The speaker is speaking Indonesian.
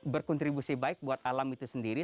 berkontribusi baik buat alam itu sendiri